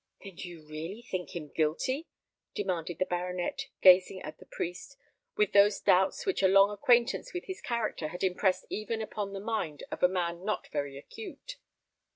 "Then do you really think him guilty?" demanded the baronet, gazing at the priest, with those doubts which a long acquaintance with his character had impressed even upon the mind of a man not very acute.